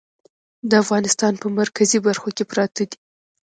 د افغانستان په مرکزي برخو کې پراته دي.